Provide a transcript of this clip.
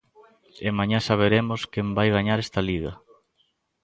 E mañá saberemos quen vai gañar esta Liga.